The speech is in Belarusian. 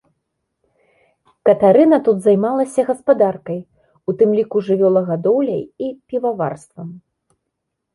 Катарына тут займалася гаспадаркай, у тым ліку жывёлагадоўляй і піваварствам.